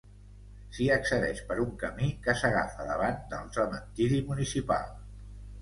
S'hi accedeix per un camí que s'agafa davant del cementiri municipal.